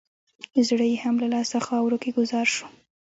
زړه یې هم له لاسه خاورو کې ګوزار شو.